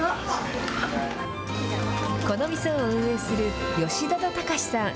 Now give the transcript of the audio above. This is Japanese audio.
この店を運営する、吉田田タカシさん。